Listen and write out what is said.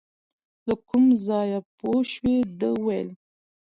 له کوم ځایه پوه شوې، ده ویل .